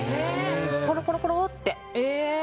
ポロポロポロって。